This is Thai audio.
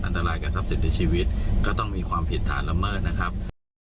อันตรายกับทรัพย์สินในชีวิตก็ต้องมีความผิดฐานละเมิดนะครับ